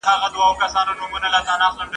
توپان نه وو اسماني توره بلا وه !.